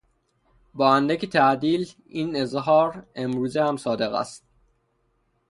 با اندکی تعدیل این اظهار امروزه هم صادق است.